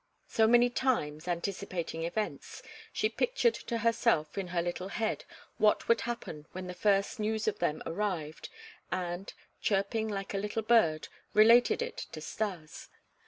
So many times, anticipating events, she pictured to herself in her little head what would happen when the first news of them arrived and, chirping like a little bird, related it to Stas.